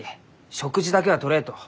食事だけはとれと。